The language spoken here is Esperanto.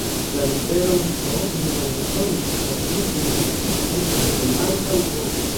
La literon S li bone rekonis, ĉar ĝi similas serpenton, kaj ankaŭ O.